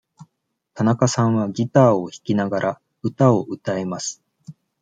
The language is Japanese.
田中さんはギターを弾きながら、歌を歌えます。